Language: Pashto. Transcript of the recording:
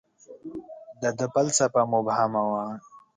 • د ده فلسفه مبهمه وه.